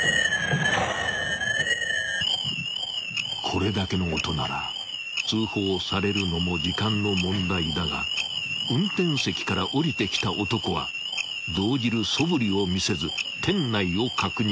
［これだけの音なら通報されるのも時間の問題だが運転席から降りてきた男は動じるそぶりを見せず店内を確認］